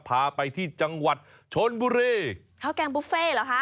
พาไปที่จังหวัดชนบุรีข้าวแกงบุฟเฟ่เหรอคะ